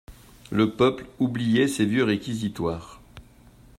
Le peuple oubliait ces vieux réquisitoires.